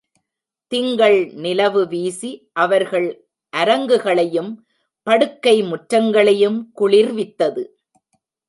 திங்கள் நிலவு வீசி அவர்கள் அரங்குகளையும் படுக்கை முற்றங்களையும் குளிர்வித்தது.